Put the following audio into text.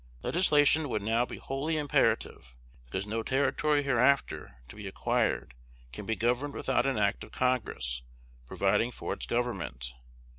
Legislation would now be wholly imperative, because no territory hereafter to be acquired can be governed without an act of Congress providing for its government.